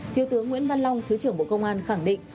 thiếu tướng nguyễn văn long thứ trưởng bộ công an khẳng định